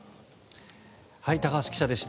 高橋記者でした。